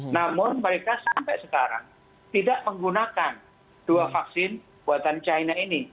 namun mereka sampai sekarang tidak menggunakan dua vaksin buatan china ini